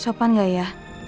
sopan gak ya